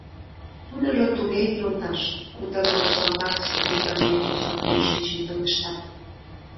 — Тудыжо туге, йолташ! — кутырызо салтак Сергейлан мелын савырнен шинчын пелешта.